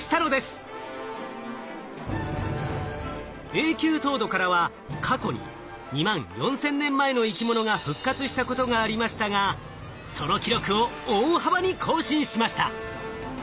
永久凍土からは過去に２万４千年前の生き物が復活したことがありましたがその記録を大幅に更新しました。